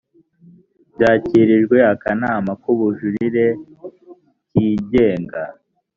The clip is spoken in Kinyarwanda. byakirijwe akanama k’ubujurire kigenga